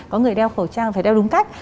có người đeo khẩu trang phải đeo đúng cách